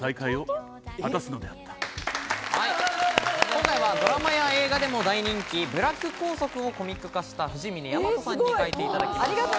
今回はドラマや映画でも大人気『ブラック校則』をコミック化した藤峰やまとさんに描いていただきました。